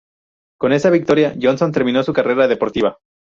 Con esta victoria, Johnson terminó su carrera deportiva.